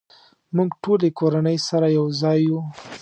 مونږ ټولې کورنۍ سره یوځای یو